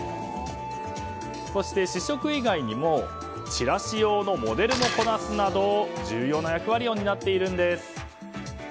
そして、試食以外にもチラシ用のモデルもこなすなど重要な役割を担っているんです。